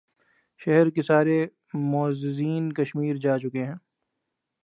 شہر کے سارے معززین کشمیر جا چکے ہیں۔